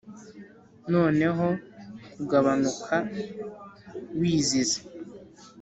noneho kugabanuka, wizize.